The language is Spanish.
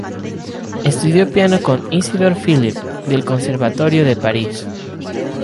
Estudió piano con Isidor Philipp, del Conservatorio de París.